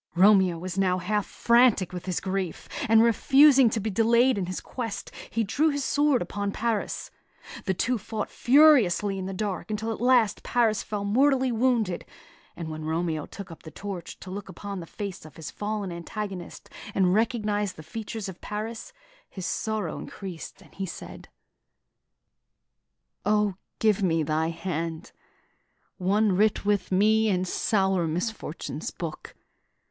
Romeo was now half frantic with his grief; and refusing to be delayed in his quest, he drew his sword upon Paris. The two fought furiously in the dark, until at last Paris fell mortally wounded; and when Romeo took up the torch to look upon the face of his fallen antagonist, and recognised the features of Paris, his sorrow was increased, and he said: "O, give me thy hand, One writ with me in sour misfortune's book!